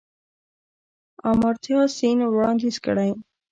آمارتیا سېن وړانديز کړی.